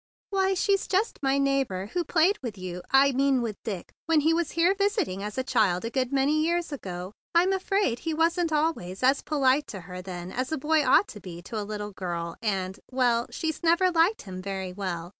"Why, she's just my neighbor, who played with you—I mean with Dick when he was here visiting as a child a good many years ago. I'm afraid he wasn't always as polite to her then as a boy ought to be to a little girl; and— well, she's never liked him very well.